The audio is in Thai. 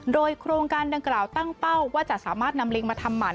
โดยโครงการดังกล่าวตั้งเป้าว่าจะสามารถนำลิงมาทำหมั่น